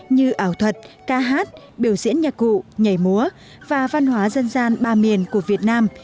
như ảo thuật ca hát biểu diễn nhạc cụ nhảy múa và văn hóa dân gian ba miền của việt nam